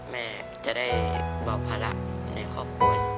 แม่จะได้เบาภาระในความขอบคุณ